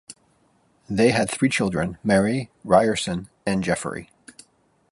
They had three children: Mary, Ryerson and Jeffery.